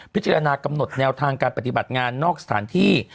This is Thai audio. พิจารณากำหนดแนวทางการปฏิบัติงานนอกสถานที่